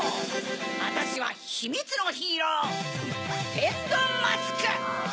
あたしはひみつのヒーローてんどんマスク！